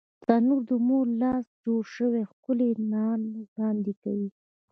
تنور د مور لاس جوړ شوی ښکلی نان وړاندې کوي